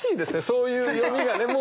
そういう読みがね。